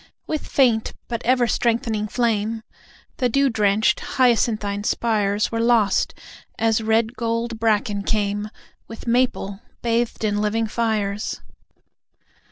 With faint but ever strength'ning flame, The dew drenched hyacinthine spires Were lost, as red gold bracken came, With maple bathed in living fires.